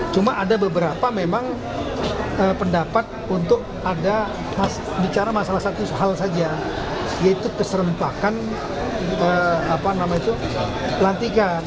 cuma ada beberapa memang pendapat untuk ada bicara masalah satu hal saja yaitu keserempakan pelantikan